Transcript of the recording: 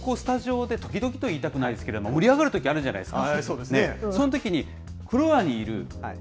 あのね、時々こう、スタジオで、時々と言いたくないですけれども、盛り上がるときあるじゃないですか。